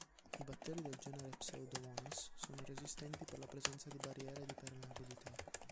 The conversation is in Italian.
I batteri del genere "Pseudomonas" sono resistenti per la presenza di barriere di permeabilità.